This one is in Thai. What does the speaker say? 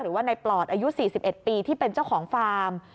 หรือว่าในปลอดอายุ๔๑ปีที่เป็นเจ้าของฟาร์ม